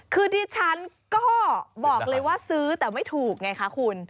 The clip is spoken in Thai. คือดิฉันก็บอกเลยว่าซื้อแต่ไม่ถูกไงคะคุณ